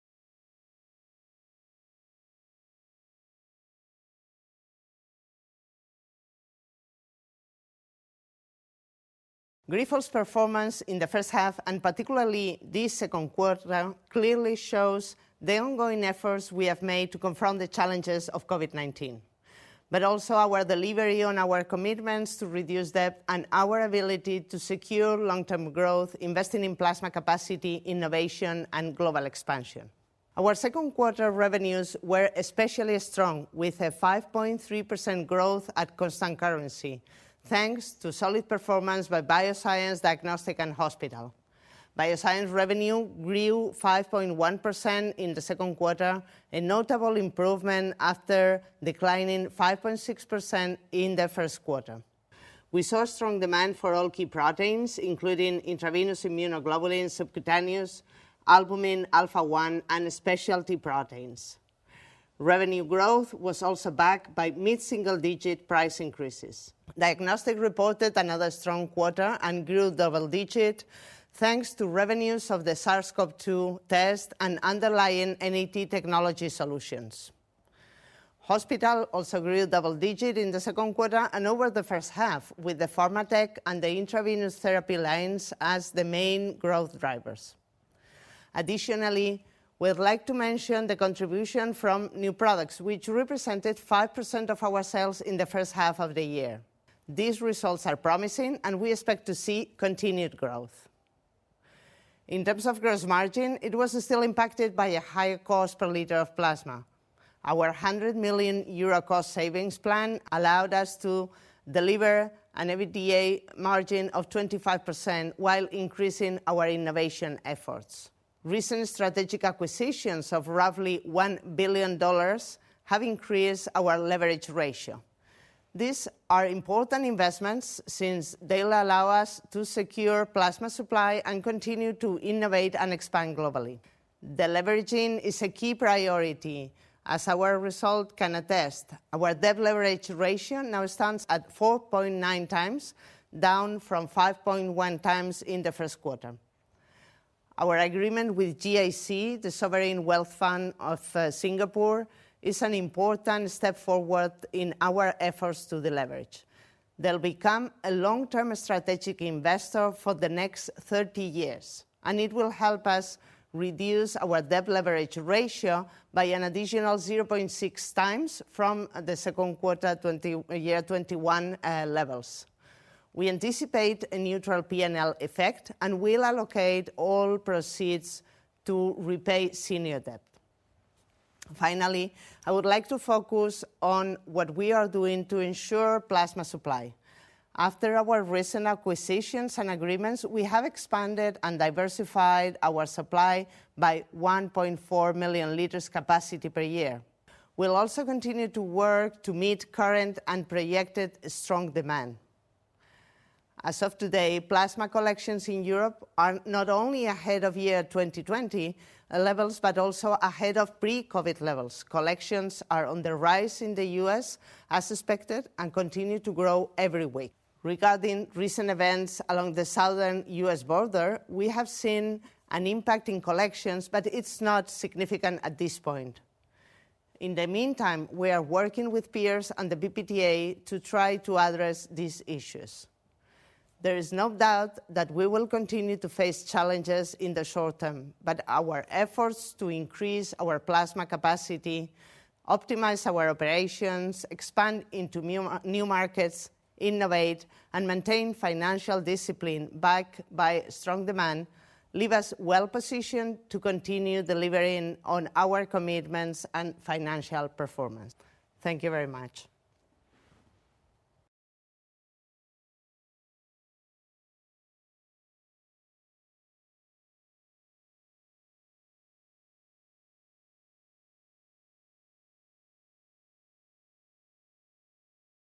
Grifols' performance in the first half, and particularly this second quarter, clearly shows the ongoing efforts we have made to confront the challenges of COVID-19, but also our delivery on our commitments to reduce debt and our ability to secure long-term growth, investing in plasma capacity, innovation, and global expansion. Our second quarter revenues were especially strong, with a 5.3% growth at constant currency, thanks to solid performance by Bioscience, Diagnostic, and Hospital. Bioscience revenue grew 5.1% in the second quarter, a notable improvement after declining 5.6% in the first quarter. We saw strong demand for all key proteins, including intravenous immunoglobulin, subcutaneous albumin, Alpha-1, and specialty proteins. Revenue growth was also backed by mid-single-digit price increases. Diagnostic reported another strong quarter and grew double digits thanks to revenues of the SARS-CoV-2 test and underlying NAT technology solutions. Hospital also grew double digits in the second quarter and over the first half, with the Pharmatech and the intravenous therapy lines as the main growth drivers. Additionally, we'd like to mention the contribution from new products, which represented 5% of our sales in the first half of the year. These results are promising, and we expect to see continued growth. In terms of gross margin, it was still impacted by a higher cost per liter of plasma. Our 100 million euro cost savings plan allowed us to deliver an EBITDA margin of 25% while increasing our innovation efforts. Recent strategic acquisitions of roughly $1 billion have increased our leverage ratio. These are important investments since they'll allow us to secure plasma supply and continue to innovate and expand globally. Deleveraging is a key priority, as our results can attest. Our debt leverage ratio now stands at 4.9x, down from 5.1x in the first quarter. Our agreement with GIC, the sovereign wealth fund of Singapore, is an important step forward in our efforts to deleverage. They'll become a long-term strategic investor for the next 30 years. It will help us reduce our debt leverage ratio by an additional 0.6 times from the second quarter year 2021 levels. We anticipate a neutral P&L effect. We'll allocate all proceeds to repay senior debt. Finally, I would like to focus on what we are doing to ensure plasma supply. After our recent acquisitions and agreements, we have expanded and diversified our supply by 1.4 million liters capacity per year. We'll also continue to work to meet current and projected strong demand. As of today, plasma collections in Europe are not only ahead of year 2020 levels but also ahead of pre-COVID-19 levels. Collections are on the rise in the U.S. as expected and continue to grow every week. Regarding recent events along the southern U.S. border, we have seen an impact in collections, but it's not significant at this point. In the meantime, we are working with peers and the PPTA to try to address these issues. There is no doubt that we will continue to face challenges in the short term, but our efforts to increase our plasma capacity, optimize our operations, expand into new markets, innovate, and maintain financial discipline backed by strong demand leave us well-positioned to continue delivering on our commitments and financial performance. Thank you very much.